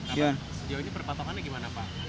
dia ini perpatokannya gimana pak